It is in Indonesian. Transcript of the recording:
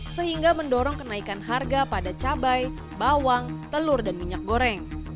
sehingga mendorong kenaikan harga pada cabai bawang telur dan minyak goreng